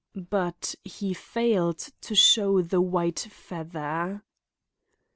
But he failed to show the white feather.